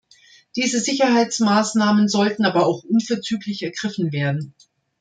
Diese Sicherheitsmaßnahmen sollten aber auch unverzüglich ergriffen werden.